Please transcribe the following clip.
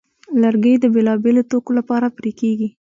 لرګی د بېلابېلو توکو لپاره پرې کېږي.